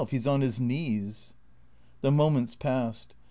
He 's on his knees." The moments passed.